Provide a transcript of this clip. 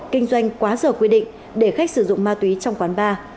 kinh doanh quá sở quy định để khách sử dụng ma túy trong quán ba